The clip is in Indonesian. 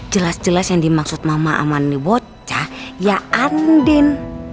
jelas jelas yang dimaksud mama aman ini bocah ya andin